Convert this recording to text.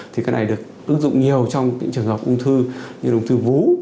thì cái này được ứng dụng nhiều trong những trường hợp ung thư như ung thư vú